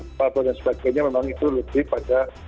sepatu dan sebagainya memang itu lebih pada